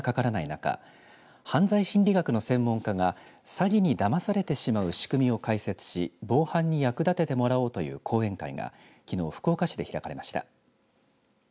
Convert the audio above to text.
中犯罪心理学の専門家が詐欺にだまされてしまう仕組みを解説し防犯に役立ててもらおうという講演会がきのう、福岡市で開かれました。